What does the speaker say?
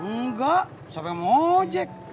nggak siapa yang mau ngojek